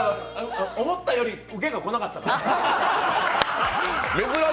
思ったよりウケが来なかったから。